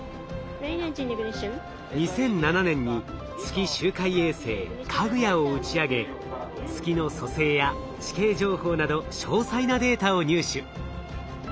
２００７年に月周回衛星「かぐや」を打ち上げ月の組成や地形情報など詳細なデータを入手。